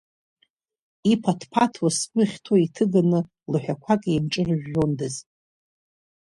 Иԥаҭԥаҭуа сгәы ахьҭоу иҭыганы, лаҳәақәак еимҿыржәжәондаз.